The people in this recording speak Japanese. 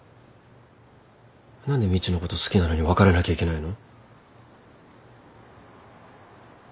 何でみちのこと好きなのに別れなきゃいけないの？